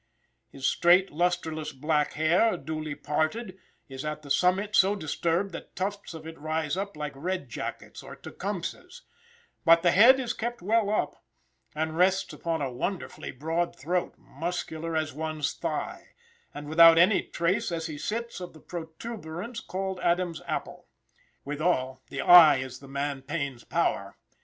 His straight, lusterless black hair, duly parted, is at the summit so disturbed that tufts of it rise up like Red Jacket's or Tecumseh's; but the head is kept well up, and rests upon a wonderfully broad throat, muscular as one's thigh, and without any trace, as he sits, of the protuberance called Adam's apple. Withal, the eye is the man Payne's power.